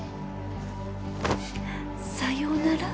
さようなら。